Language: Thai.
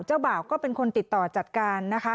บ่าวก็เป็นคนติดต่อจัดการนะคะ